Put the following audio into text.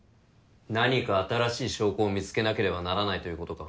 何か新しい証拠を見つけなければならないということか。